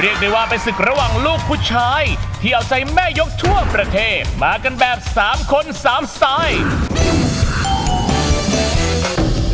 เรียกได้ว่าเป็นศึกระหว่างลูกผู้ชายที่เอาใจแม่ยกทั่วประเทศมากันแบบสามคนสามสไตล์